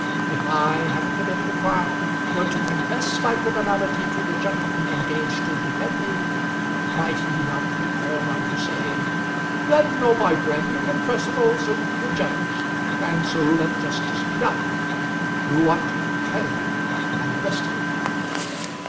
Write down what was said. If I, having committed a crime, were to confess my criminality to the gentleman engaged to defend me, might he not be called on to say: "Then, O my friend, confess it also to the judge; and so let justice be done. Ruat coelum, and the rest of it?"